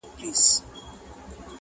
هغه مي خړ وطن سمسور غوښتی!.